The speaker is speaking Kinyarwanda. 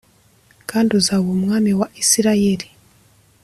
kandi uzaba umwami wa Isirayeli.